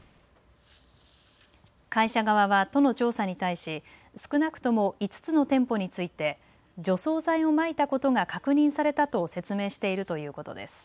会社側は都の調査に対し少なくとも５つの店舗について除草剤をまいたことが確認されたと説明しているということです。